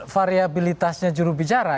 variabilitasnya juru bicara